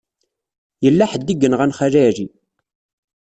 Yella ḥedd i yenɣan Xali Ɛli.